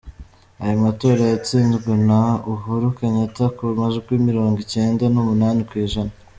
Ayo matora yatsinzwe na Uhuru Kenyatta ku majwi mirongo icyenda n’umunani ku ijana.